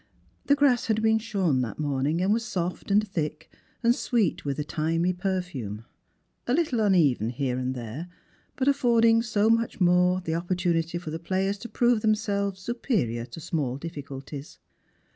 The grass had iDeen snorn that morning, and was soft and thick, and sweet with a thymy perfume : a little uneven here and there, but affording so much the more opportunity for the players to prove themselves superior to small difficulties.